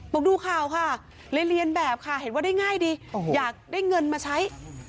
บอกดูข่าวค่ะเลยเรียนแบบค่ะเห็นว่าได้ง่ายดีอยากได้เงินมาใช้